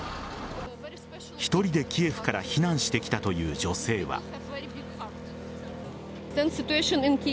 １人でキエフから避難してきたという女性は。